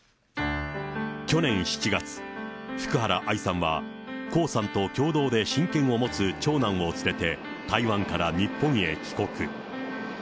去年７月、福原愛さんは、江さんと共同で親権を持つ長男を連れて、台湾から日本へ帰国。